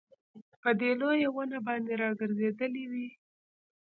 په دې لويه ونه باندي راګرځېدلې وې